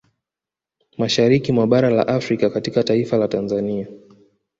Mashariki mwa bara la Afrika katika taifa la Tanzania